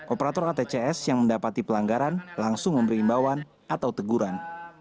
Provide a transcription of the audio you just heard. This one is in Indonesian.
operator atcs yang mendapati pelanggaran langsung memberi imbauan atau teguran